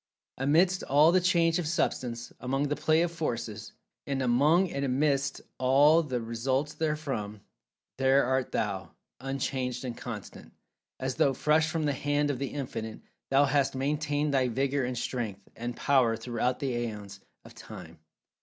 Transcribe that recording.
Amidst all the change of Substance—among the play of Forces—and among and amidst all that results therefrom—there art thou, unchanged, and constant. As though fresh from the hand of The Infinite, thou hast maintained thy vigor and strength, and power, throughout the aeons of Time.